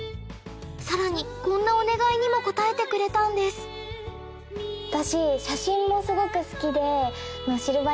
さらにこんなお願いにも応えてくれたんです私